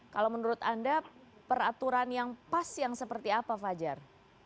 kalau menurut anda peraturan yang pas yang seperti apa fajar